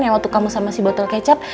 yang waktu kamu sama si botol kecap